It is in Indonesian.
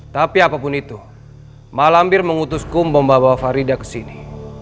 tapi apapun itu malambir mengutusku membawa farida ke sini